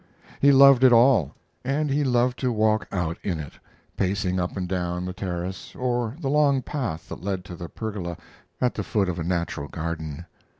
He loved it all, and he loved to walk out in it, pacing up and down the terrace, or the long path that led to the pergola at the foot of a natural garden.